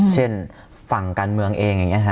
เช่นฝั่งการเมืองเองอย่างนี้ค่ะ